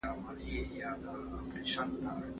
وارث کله مرغۍ ویشتلې ده؟